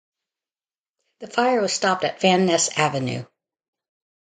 The fire was stopped at Van Ness Avenue.